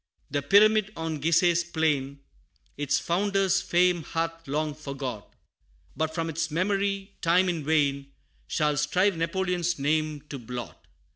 The pyramid on Giseh's plain, Its founder's fame hath long forgot But from its memory, time, in vain Shall strive Napoleon's name to blot.